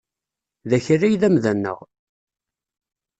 D Akal ay d amda-nneɣ.